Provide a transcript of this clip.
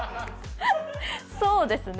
そうですね